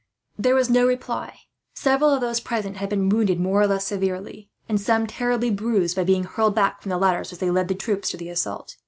There was no reply. Several of those present had been wounded, more or less severely; and some terribly bruised, by being hurled back from the ladders as they led the troops to the assault.